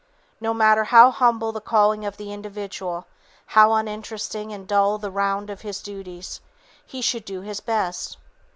No matter how humble the calling of the individual, how uninteresting and dull the round of his duties, he should do his best.